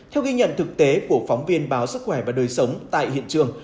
theo ghi nhận thực tế của phóng viên báo sức khỏe và đời sống tại hiện trường